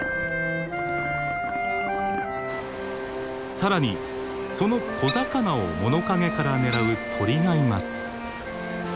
更にその小魚を物陰から狙う鳥がいます。